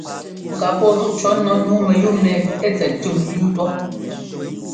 Ŋ ká pɔ́ ńzúꞌ cɔ̌ nu nǔu mɛyúu mɛ ɛ́ tsɛt tʉ́m yú pɔ́.